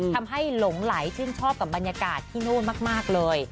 หลงไหลชื่นชอบกับบรรยากาศที่นู่นมากเลย